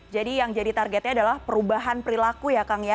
jadi yang jadi targetnya adalah perubahan perilaku ya kang ya